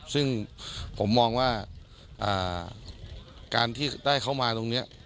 ซึ่งผมมองว่าการที่ได้เข้ามาตรงนี้